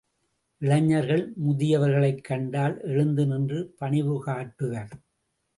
இளைஞர்கள் முதியவர்களைக் கண்டால் எழுந்து நின்று பணிவு காட்டுவர்.